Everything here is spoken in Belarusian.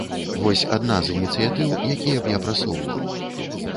Вось адна з ініцыятыў, якія б я прасоўваў.